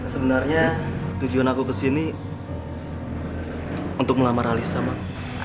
sebenarnya tujuan aku kesini untuk melamar alisa mak